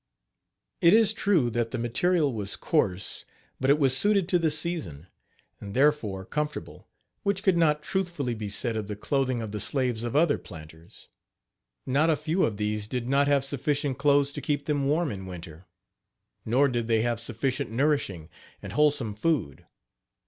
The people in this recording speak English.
It is true that the material was coarse, but it was suited to the season, and, therefore, comfortable, which could not truthfully be said of the clothing of the slaves of other planters. Not a few of these did not have sufficient clothes to keep them warm in winter; nor did they have sufficient nourishing and wholesome food.